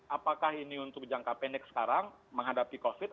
apakah ini untuk jangka pendek sekarang menghadapi covid